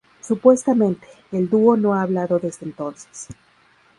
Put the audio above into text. Supuestamente, el dúo no ha hablado desde entonces.